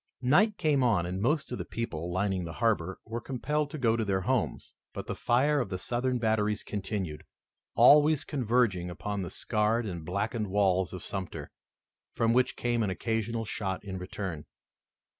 Night came on, and most of the people, lining the harbor, were compelled to go to their homes, but the fire of the Southern batteries continued, always converging upon the scarred and blackened walls of Sumter, from which came an occasional shot in return.